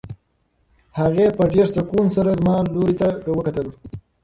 هغې په ډېر سکون سره زما لوري ته وکتل.